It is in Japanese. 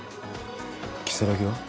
如月は？